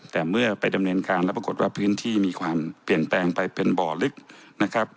แต่เมื่อไปดำเนินการแล้วปรากฏว่าพื้นที่มีความเปลี่ยนแปลงไปเป็นบ่อลึกนะครับ